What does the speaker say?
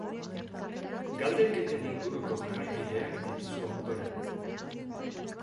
Galdeketen inguruko jarraibideak dituzu ondoren.